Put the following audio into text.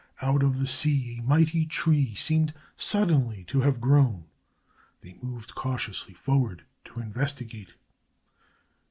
Out of the sea a mighty tree seemed suddenly to have grown. They moved cautiously forward to investigate.